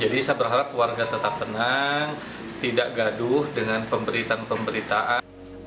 jadi saya berharap warga tetap tenang tidak gaduh dengan pemberitaan pemberitaan